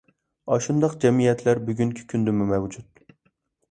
ئاشۇنداق جەمئىيەتلەر بۈگۈنكى كۈندىمۇ مەۋجۇت.